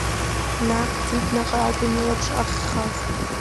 Наҟ ӡибнаҟа акәын илаԥш ахьхаз.